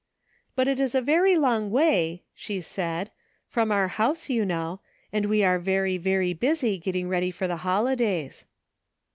'' But it is a very long way," she said, ''from our house, you know, and we are very, very busy getting ready for the holidays.'